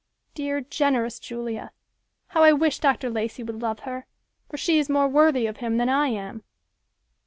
Dear, generous Julia, how I wish Dr. Lacey would love her, for she is more worthy of him than I am."